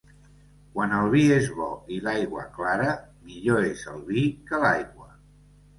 Quan el vi és bo i l'aigua clara, millor és el vi que l'aigua.